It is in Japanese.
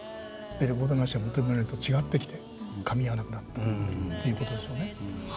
レコード会社が求めるものと違ってきてかみ合わなくなったっていうことでしょうね。